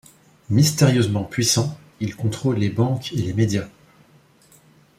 Mystérieusement puissants, ils contrôlent les banques et les médias.